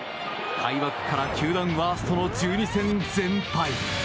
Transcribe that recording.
開幕から球団ワーストの１２戦全敗。